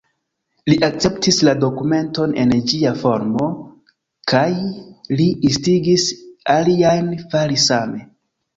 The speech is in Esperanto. Li akceptis la dokumenton en ĝia formo, kaj li instigis aliajn fari same.